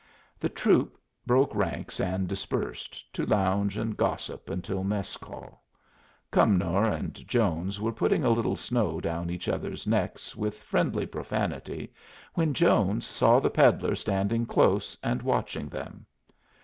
The troop broke ranks and dispersed, to lounge and gossip until mess call. Cumnor and Jones were putting a little snow down each other's necks with friendly profanity, when Jones saw the peddler standing close and watching them.